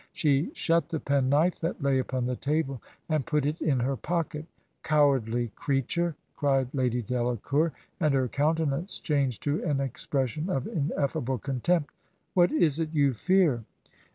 She shut the penknife that lay upon the table, and put it in her pocket. 'Cowardly creature!' cried Lady Delacour, and her countenance changed to an expression of in effable contempt. 'What is it you fear?'